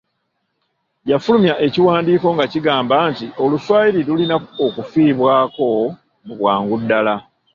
Yafulumya ekiwandiiko nga kigamba nti Oluswayiri lulina okufiibwako mu bwangu ddala.